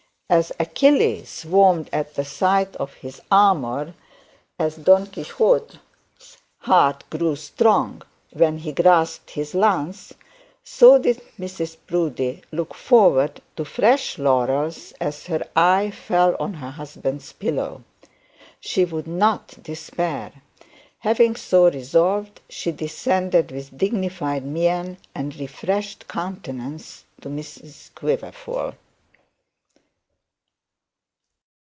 As Achilles warmed at the sight of his armour, as Don Quixote's heart grew strong when he grasped his lance, so did Mrs Proudie look forward to fresh laurels, as her hey fell on her husband's pillow. She would not despair. Having so resolved, she descended with dignified mien and refreshed countenance to Mrs Quiverful.